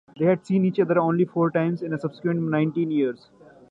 They had seen each other only four times in the subsequent nineteen years.